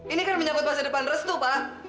ini kan menyambut masa depan restu pak